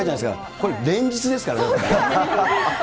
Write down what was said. これ、連日ですから。